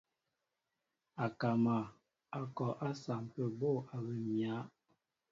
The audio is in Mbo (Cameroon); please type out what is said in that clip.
Akama a kɔ a sampə bô awim myǎ.